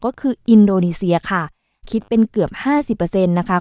ก็คืออินโดนีเซียค่ะคิดเป็นเกือบห้าสิบเปอร์เซ็นต์นะคะ